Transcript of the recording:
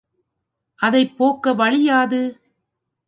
அதைப் போக்க வழி யாது?